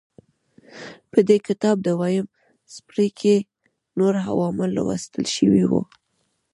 په دې کتاب دویم څپرکي کې نور عوامل لوستل شوي وو.